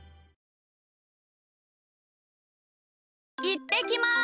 いってきます！